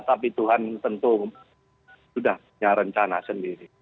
tapi tuhan tentu sudah punya rencana sendiri